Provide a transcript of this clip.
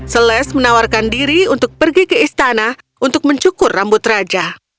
seles menawarkan diri untuk pergi ke istana untuk mencukur rambut raja